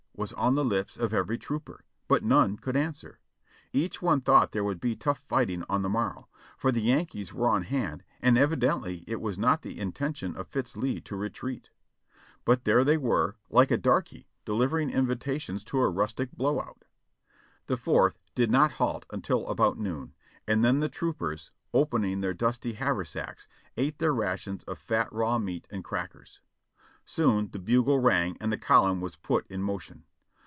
was on the lips of every trooper; but none could answer. Each one thought there would be tough fighting on the morrow, for the Yankees were on hand and evi dently it was not the intention of Fitz Lee to retreat. But there they were, riding about the country like a darky delivering in vitations to a rustic blow out. The Fourth did not halt until about noon, and then the troop ers, opening their dusty haversacks, ate their rations of fat raw meat and crackers. Soon the bugle rang and the column was put in motion.